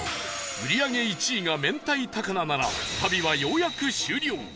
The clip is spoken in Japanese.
売り上げ１位が明太高菜なら旅はようやく終了